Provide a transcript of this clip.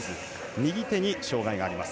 右手に障がいがあります。